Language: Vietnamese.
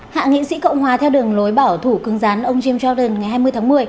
hạ nghị sĩ cộng hòa theo đường lối bảo thủ cưng rán ông jem jordan ngày hai mươi tháng một mươi